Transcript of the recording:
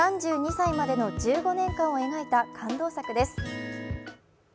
歳までの１５年間を描いた感動作です。